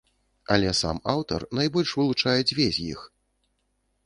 Але сам аўтар найбольш вылучае дзве з іх.